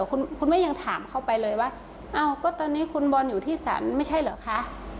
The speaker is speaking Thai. คุณแม่ยังถามเข้าไปเลยว่าอ้าวก็ตอนนี้คุณบอลอยู่ที่สรรไม่ใช่เหรอคะ